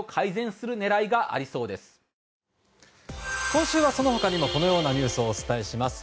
今週はその他にもこのようなニュースをお伝えします。